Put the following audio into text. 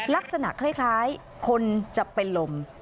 ลักษณะคล้ายคนจะเป็นลม